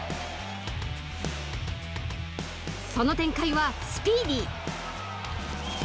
その展開はスピーディー。